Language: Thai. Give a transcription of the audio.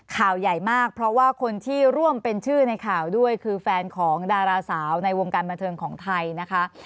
ข่าวใหญ่มากเพราะว่าคนที่ร่วมเป็นชื่อในข่าวด้วยคือแฟนของดาราสาวในวงการบันเทิงของไทยนะคะ